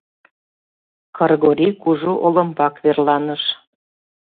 Кыргорий кужу олымбак верланыш.